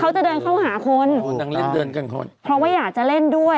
เขาจะเดินเข้าหาคนเพราะว่าอยากจะเล่นด้วย